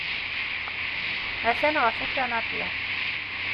Atan ɣef ukanapi.